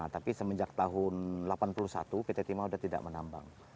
tapi semenjak tahun seribu sembilan ratus delapan puluh satu pt timah sudah tidak menambang